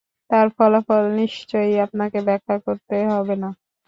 তার ফলাফল নিশ্চয়ই আপনাকে ব্যাখ্যা করতে হবে না।